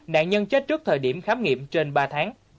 nạn nhân chết trước thời điểm khám nghiệm trên ba tháng